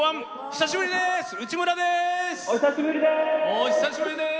お久しぶりです！